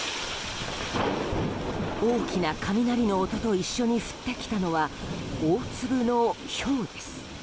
大きな雷の音と一緒に降ってきたのは大粒のひょうです。